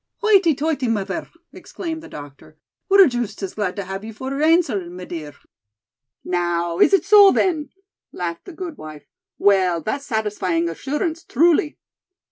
"Hoity, toity, mother," exclaimed the doctor; "we're joost as glad to have you for your ainsel', my dear." "Now, is it so, then?" laughed the gude wife. "Well, that's satisfying assurance, truly."